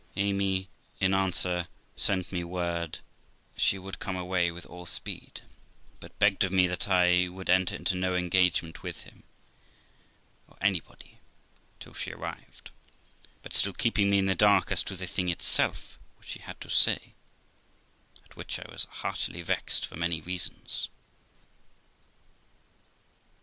Amy, in answer, sent me word she would come away with all speed, but begged of me that I would enter into no engagement with him, or anybody, till she arrived ; but still keeping me in the dark as to the thing itself which she had to say; at which I was heartily vexed, for many reasons.